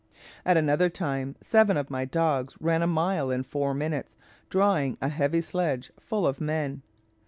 At another time seven of my dogs ran a mile in four minutes, drawing a heavy sledge full of men.